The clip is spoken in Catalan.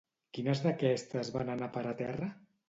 Quines d'aquestes van anar a parar a terra?